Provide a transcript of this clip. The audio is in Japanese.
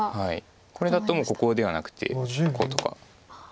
これだともうここではなくてこうとか。